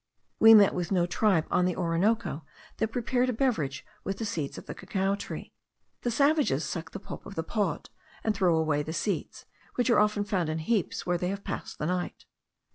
We met with no tribe on the Orinoco that prepared a beverage with the seeds of the cacao tree. The savages suck the pulp of the pod, and throw away the seeds, which are often found in heaps where they have passed the night.